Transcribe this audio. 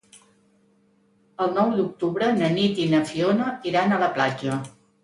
El nou d'octubre na Nit i na Fiona iran a la platja.